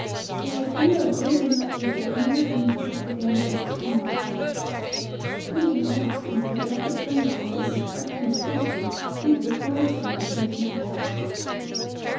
The idea of live and let live has never been the propaganda of the anarch. To the anarch the death of some body or the destruction of some thing is the cornerstone to his madhouse.